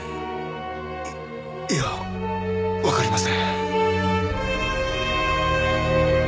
いいやわかりません。